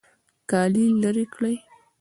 کالي لرې کړئ